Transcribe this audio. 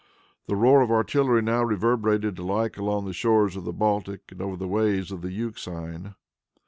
The roar of artillery now reverberated alike along the shores of the Baltic and over the waves of the Euxine.